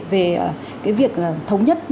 về cái việc thống nhất